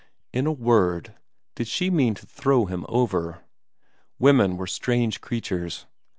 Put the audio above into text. In a word did she mean to throw him over? Women were strange creatures!